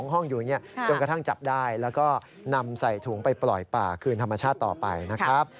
ห้องอยู่อย่างนี้จนกระทั่งจับได้แล้วก็นำใส่ถุงไปปล่อยป่าคืนธรรมชาติต่อไปนะครับ